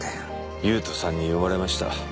優人さんに言われました。